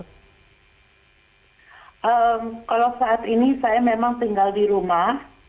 kalau saat ini saya memang tinggal di rumah